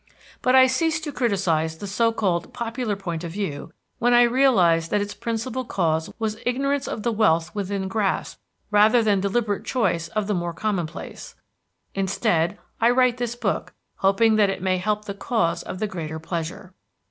But I ceased to criticize the so called popular point of view when I realized that its principal cause was ignorance of the wealth within grasp rather than deliberate choice of the more commonplace; instead, I write this book, hoping that it may help the cause of the greater pleasure.